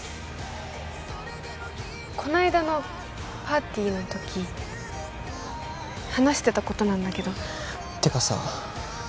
この間のパーティーのとき話してたことなんだけどってかさ